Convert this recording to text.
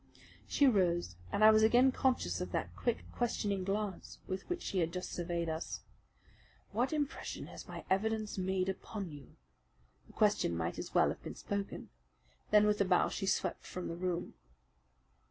She rose, and I was again conscious of that quick, questioning glance with which she had just surveyed us. "What impression has my evidence made upon you?" The question might as well have been spoken. Then, with a bow, she swept from the room.